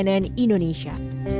tim liputan cnn indonesia